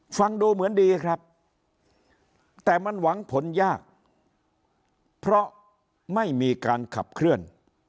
ฟังดูเหมือนดีครับแต่มันหวังผลยากเพราะไม่มีการขับเคลื่อน